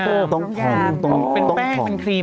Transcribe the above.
ต้องทอง